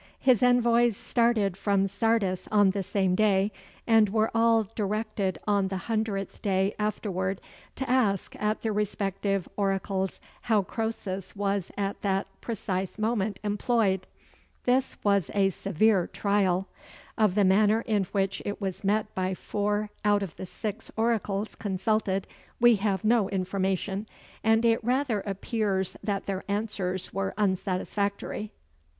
His envoys started from Sardis on the same day, and were all directed on the hundredth day afterward to ask at the respective oracles how Croesus was at that precise moment employed. This was a severe trial: of the manner in which it was met by four out of the six oracles consulted we have no information, and it rather appears that their answers were unsatisfactory.